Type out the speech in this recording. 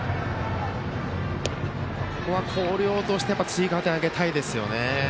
広陵としては追加点を挙げたいですよね。